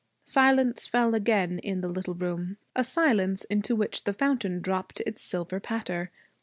Silence fell again in the little room a silence into which the fountain dropped its silver patter.